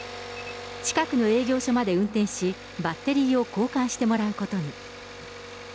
近くの営業所まで運転し、バッテリーを交換してもらうことに。